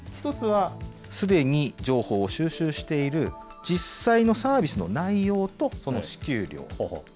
１つは、すでに情報を収集している実際のサービスの内容と、その支給量。